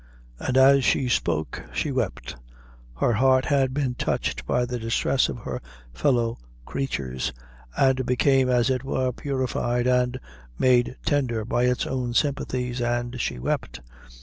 And as she spoke she wept. Her heart had been touched by the distress of her fellow creatures, and became, as it were, purified and made tender by its own sympathies, and she wept.